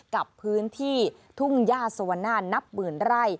กับพื้นที่ทุ่งย่าสวนานับหมื่นไร่